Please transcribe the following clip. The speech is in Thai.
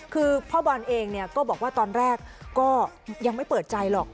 คือพ่อบอลเองก็บอกว่าตอนแรกก็ยังไม่เปิดใจหรอก